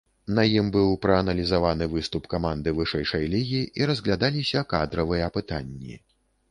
На ім быў прааналізаваны выступ каманды вышэйшай лігі і разглядаліся кадравыя пытанні.